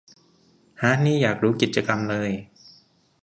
ห๊ะ นี่อยากรู้กิจกรรมเลย